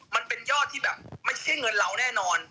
มันเป็นยอดที่แบบไม่ใช่เงินเราแน่นอน